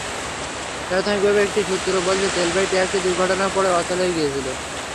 প্রাথমিকভাবে একটি সূত্র বলছে, তেলবাহী ট্রাকটি দুর্ঘটনায় পড়ে অচল হয়ে গিয়েছিল।